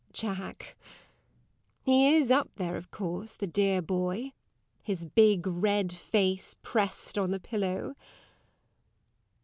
Jack! He is up there, of course, the dear boy, his big red face pressed on the pillow.